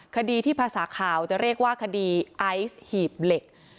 คดีที่ภาษาข่าวจะเรียกว่าคดีไอซ์หีบเหล็ก